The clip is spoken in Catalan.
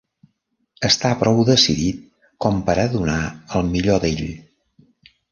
Està prou decidit com per a donar el millor d'ell.